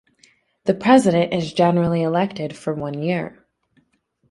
The president is generally elected for one year.